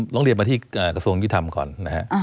ต้องเรียนมาที่กระทรวงยุทธรรมก่อนนะฮะ